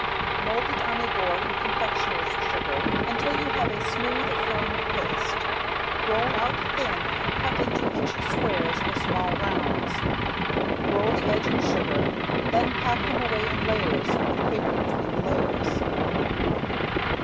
Mold it on a board in confectioners' sugar until you have a smooth, firm paste. Roll out thin and cut into inch squares or small rounds. Roll the edge in sugar, then pack them away in layers with paper between the layers.